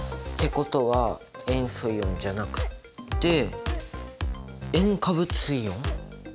ことは「塩素イオン」じゃなくて「塩化物イオン」！